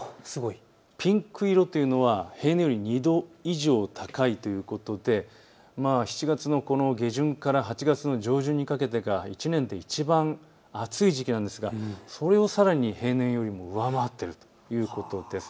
ピンク色というのは平年より２度以上高いということで、７月のこの下旬から８月の上旬にかけてが１年でいちばん暑い時期なんですがそれをさらに平年よりも上回っているということです。